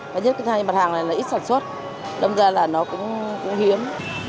nhất cái thay mặt hàng này là ít sản xuất đâm ra là nó cũng hiếm